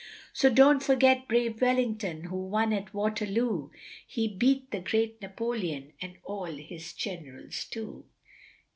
So don't forget brave Wellington, who won at Waterloo, He beat the great Napoleon and all his generals too.